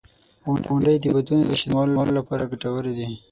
• غونډۍ د بادونو د شدت کمولو لپاره ګټورې دي.